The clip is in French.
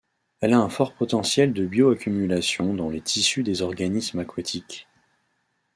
Elle a un fort potentiel de bioaccumulation dans les tissus des organismes aquatiques.